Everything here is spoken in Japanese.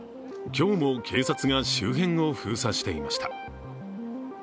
今日も警察が周辺を封鎖していました。